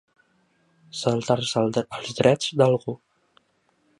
Saltar-se els drets d'algú.